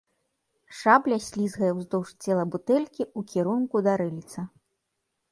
Шабля слізгае ўздоўж цела бутэлькі ў кірунку да рыльца.